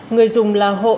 người dùng là hộ